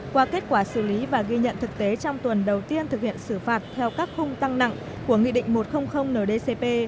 qua kết quả xử lý và ghi nhận thực tế trong tuần đầu tiên thực hiện xử phạt theo các khung tăng nặng của nghị định một trăm linh ndcp